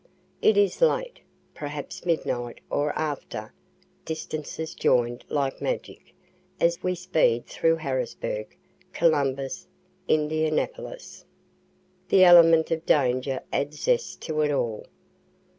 It is late, perhaps midnight or after distances join'd like magic as we speed through Harrisburg, Columbus, Indianapolis. The element of danger adds zest to it all.